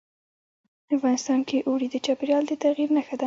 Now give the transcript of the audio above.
افغانستان کې اوړي د چاپېریال د تغیر نښه ده.